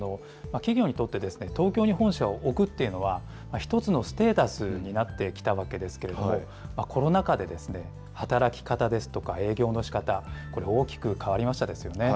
企業にとって東京に本社を置くっていうのは、一つのステータスになってきたわけですけれども、コロナ禍で働き方ですとか営業のしかた、大きく変わりましたですよね。